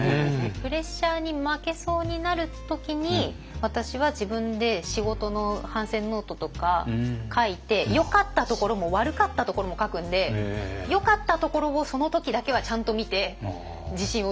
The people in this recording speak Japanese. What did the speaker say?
プレッシャーに負けそうになる時に私は自分で仕事の反省ノートとか書いてよかったところも悪かったところも書くんでよかったところをその時だけはちゃんと見て自信をつけるっていう。